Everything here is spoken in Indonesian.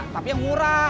tapi yang murah